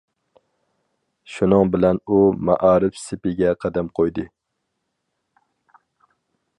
شۇنىڭ بىلەن ئۇ مائارىپ سېپىگە قەدەم قويدى.